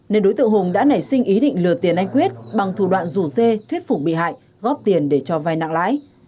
nên đối tượng hùng đã nảy sinh ý định lừa tiền anh quyết bằng thủ đoạn rủ dê thuyết phục bị hại góp tiền để cho vai nặng lãi